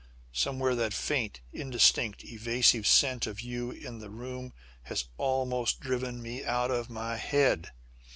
Sometimes that faint, indistinct, evasive scent of you in the room has almost driven me out of my head.